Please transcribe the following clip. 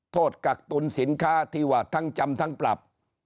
กักตุลสินค้าที่ว่าทั้งจำทั้งปรับ